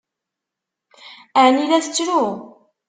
Ɛni la tettru?